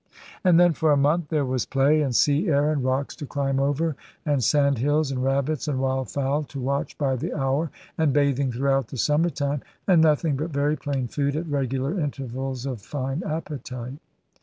And then for a month there was play, and sea air, and rocks to climb over, and sandhills, and rabbits and wild fowl to watch by the hour, and bathing throughout the summer time, and nothing but very plain food at regular intervals of fine appetite.